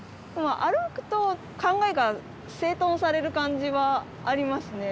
歩くと考えが整頓される感じはありますね。